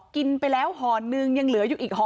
กินไปแล้วห่อนึงยังเหลืออยู่อีกห่อ